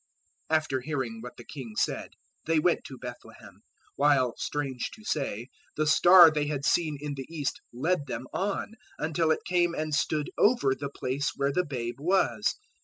002:009 After hearing what the king said, they went to Bethlehem, while, strange to say, the star they had seen in the east led them on until it came and stood over the place where the babe was.